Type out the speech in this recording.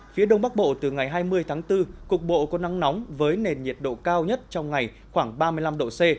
phía đông bắc bộ từ ngày hai mươi tháng bốn cục bộ có nắng nóng với nền nhiệt độ cao nhất trong ngày khoảng ba mươi năm độ c